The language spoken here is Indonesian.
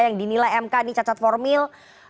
yang dinilai mk ini cacat formil